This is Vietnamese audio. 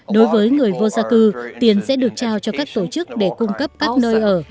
đối với người vô gia cư tiền sẽ được trao cho các tổ chức để cung cấp các nơi ở